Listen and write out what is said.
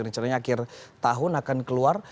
rencananya akhir tahun akan keluar